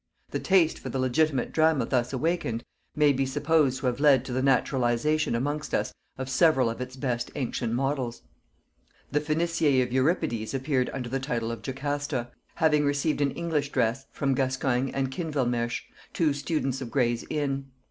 The taste for the legitimate drama thus awakened, may be supposed to have led to the naturalization amongst us of several of its best ancient models. The Phoenissæ of Euripides appeared under the title of Jocasta, having received an English dress from Gascoigne and Kinwelmershe, two students of Gray's Inn.